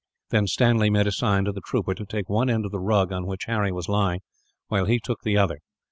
Then Stanley made a sign, to the trooper, to take one end of the rug on which Harry was lying; while he took the other.